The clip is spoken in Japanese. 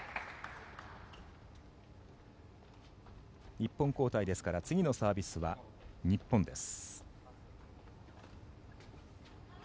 １本交代ですから次のサービスは日本です。